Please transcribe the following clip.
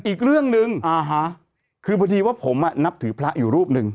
อีกเรื่องหนึ่งคือพอดีว่าผมนับถือพระอยู่รูปหนึ่ง